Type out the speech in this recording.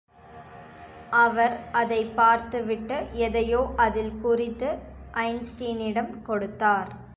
அவர் அதைப் பார்த்து விட்டு, எதையோ அதில் குறித்து ஐன்ஸ்டீனிடம் கொடுத்தார்.